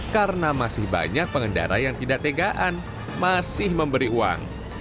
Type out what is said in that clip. karena masih banyak pengendara yang tidak tegaan masih memberi uang